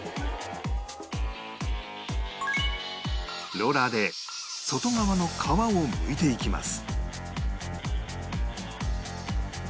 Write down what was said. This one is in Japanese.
ローラーで外側の皮をむいていきます